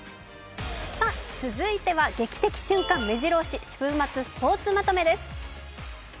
続いては、劇的瞬間目白押し週末スポーツまとめです。